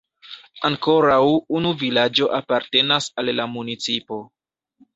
Ankoraŭ unu vilaĝo apartenas al la municipo.